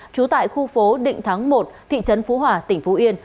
trú tại khu phố định thắng một thị trấn phú hòa tỉnh phú yên